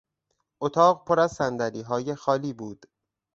اتاق پر از صندلیهای خالی بود.